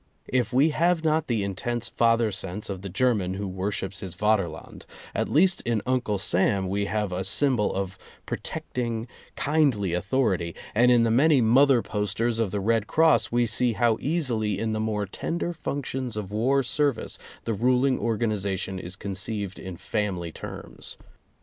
If we have not the intense Father sense of the German who worships his Vaterland, at least in Uncle Sam we have a symbol of protecting, kindly authority, and in the many Mother posters of the Red Cross, we see how easily in the more tender functions of war service, the ruling organization is conceived in family terms.